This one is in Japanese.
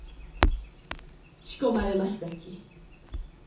仕込まれましたき。